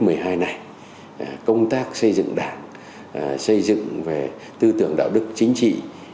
đối với nghị quyết một mươi hai này công tác xây dựng đảng xây dựng về tư tưởng đạo đức chính trị